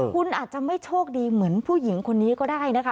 คุณอาจจะไม่โชคดีเหมือนผู้หญิงคนนี้ก็ได้นะคะ